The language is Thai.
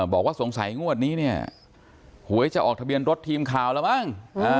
บอกว่าสงสัยงวดนี้เนี่ยหวยจะออกทะเบียนรถทีมข่าวแล้วมั้ง